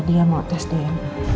dia mau tes dma